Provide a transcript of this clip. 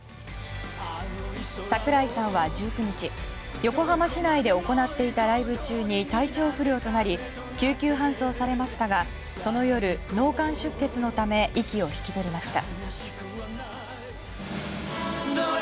櫻井さんは１９日横浜市内で行っていたライブ中に体調不良となり救急搬送されましたがその夜、脳幹出血のため息を引き取りました。